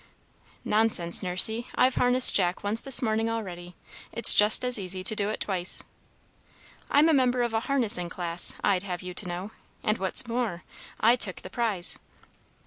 "Nonsense, Nursey! I've harnessed Jack once this morning already; it's just as easy to do it twice. I'm a member of a Harnessing Class, I'd have you to know; and, what's more, I took the prize!"